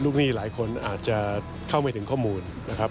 หนี้หลายคนอาจจะเข้าไม่ถึงข้อมูลนะครับ